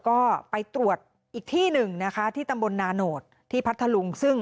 ก็ไปตรวจอีกที่หนึ่งนะคะที่ตำบลนาโนธที่พัทธลุงซึ่ง